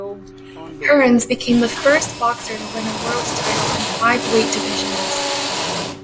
Hearns became the first boxer to win a world title in five weight divisions.